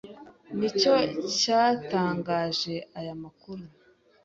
nicyo cyatangaje aya makuru,